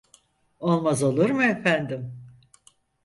Olmaz olur mu, efendim?